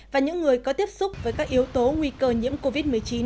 và những người có tiếp xúc với các yếu tố nguy cơ nhiễm covid một mươi chín